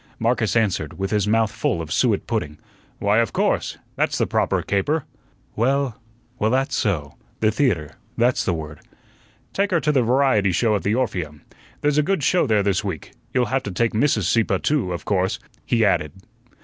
Marcus answered, with his mouth full of suet pudding: "Why, of course. That's the proper caper." "Well well, that's so. The theatre that's the word." "Take her to the variety show at the Orpheum. There's a good show there this week; you'll have to take Mrs. Sieppe, too, of course," he added.